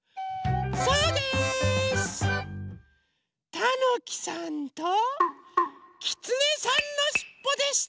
たぬきさんときつねさんのしっぽでした！